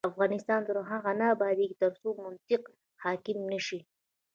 افغانستان تر هغو نه ابادیږي، ترڅو منطق حاکم نشي.